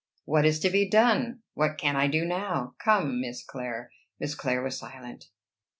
What is to be done? What can I do now? Come, Miss Clare." Miss Clare was silent.